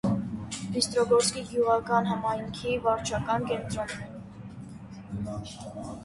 Բիստրոգորսկի գյուղական համայնքի վարչական կենտրոնն է։